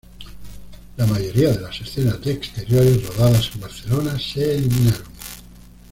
La mayoría de las escenas de exteriores rodadas en Barcelona se eliminaron.